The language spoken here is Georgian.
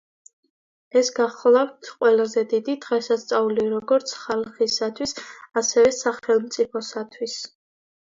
ეს გახლავთ ყველაზე დიდი დღესასწაული როგორც ხალხისათვის, ასევე სახელმწიფოსათვის.